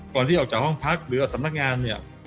ก่อนที่ออกจากห้องพักหรือสำนักงานเนี่ย